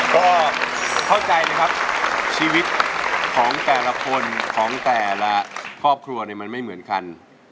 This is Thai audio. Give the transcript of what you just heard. ก็เข้าใจนะครับชีวิตของแต่ละคนของแต่ละครอบครัวเนี่ยมันไม่เหมือนกัน